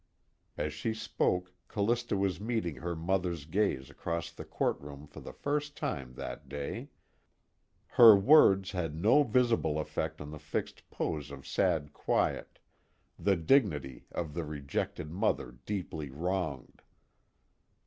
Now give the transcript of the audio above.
As she spoke, Callista was meeting her mother's gaze across the courtroom for the first time that day. Her words had no visible effect on the fixed pose of sad quiet, the dignity of the rejected Mother deeply wronged.